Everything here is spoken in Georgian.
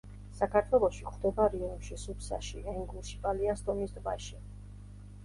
საქართველოში გვხვდება რიონში, სუფსაში, ენგურში, პალიასტომის ტბაში.